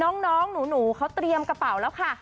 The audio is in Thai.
น้องหนูเขาเตรียมกระเป๋าแล้วค่ะ